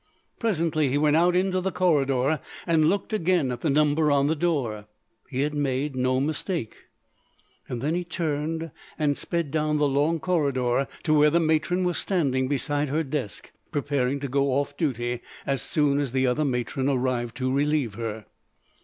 Presently he went out into the corridor and looked again at the number on the door. He had made no mistake. Then he turned and sped down the long corridor to where the matron was standing beside her desk preparing to go off duty as soon as the other matron arrived to relieve her.